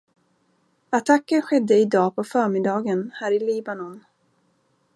Attacken skedde idag på förmiddagen här i Libanon